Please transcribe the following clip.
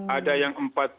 ada yang empat puluh